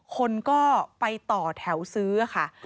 คนก็ไปต่อแถวซื้อค่ะ